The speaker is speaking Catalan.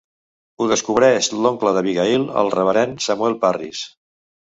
Ho descobreix l'oncle d'Abigail, el reverend Samuel Parris.